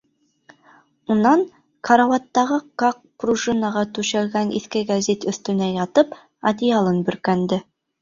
Унан карауаттағы ҡаҡ пружинаға түшәлгән иҫке гәзит өҫтөнә ятып, одеялын бөркәнде.